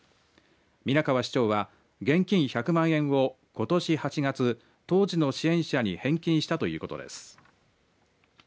皆川市長は、現金１００万円をことし８月、当時の支援者に返金したということです。